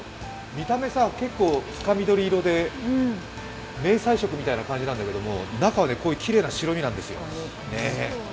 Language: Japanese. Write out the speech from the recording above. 見た目結構深緑色で迷彩色みたいな感じだけども中はきれいな白身なんですよ。